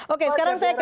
oke sekarang saya ke